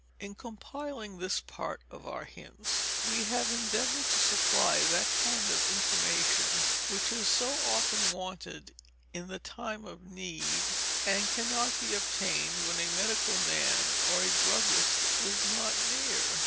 In compiling this part of our hints, we have endeavoured to supply that kind of information which is so often wanted in the time of need, and cannot be obtained when a medical man or a druggist is not near.